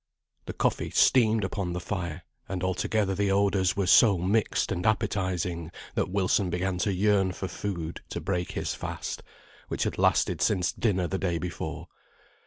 The coffee steamed upon the fire, and altogether the odours were so mixed and appetising, that Wilson began to yearn for food to break his fast, which had lasted since dinner the day before.